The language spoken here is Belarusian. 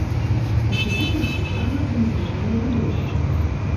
У сукупнасці складваецца незвычайнае відовішча.